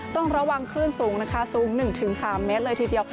ต้องระวังคลื่นสูงนะคะสูง๑๓เมตรเลยทีเดียว